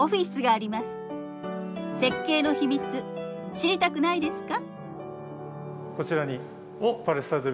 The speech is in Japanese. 設計の秘密知りたくないですか？